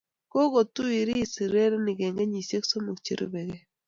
kukutuiris urerenik eng kenyishe somok che rubekei